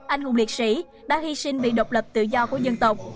anh hùng liệt sĩ đã hy sinh vì độc lập tự do của dân tộc